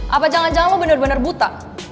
apa jangan jangan lo bener bener buta